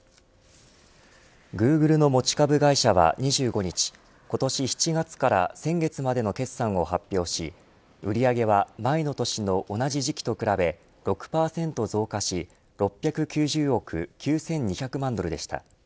グーグルの持ち株会社は２５日今年７月から先月までの決算を発表し売り上げは前の年の同じ時期と比べ６％増加し６９０億９２００万ドルでした。